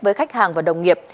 với khách hàng và đồng nghiệp